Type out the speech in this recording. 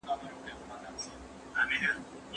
هغې وویل، د لږ خوراک سره هم ځان ډک احساس کاوه.